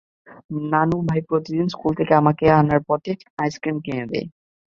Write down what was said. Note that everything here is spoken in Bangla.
নানু ভাই প্রতিদিন স্কুল থেকে আমাকে আনার পথে আইসক্রিম কিনে দেয়।